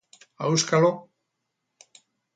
Auskalo!